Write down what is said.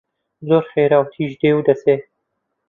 زۆر خێرا و تیژ دێ و دەچێ